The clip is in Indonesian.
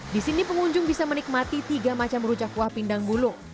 di sini pengunjung bisa menikmati tiga macam rujak kuah pindang bulung